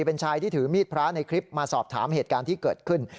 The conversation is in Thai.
เป็นชายที่ถือมีดพระในคลิปมาสอบถามเหตุการณ์ที่เกิดขึ้น